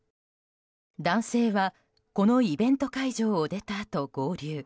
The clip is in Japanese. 男性はこのイベント会場を出たあと合流。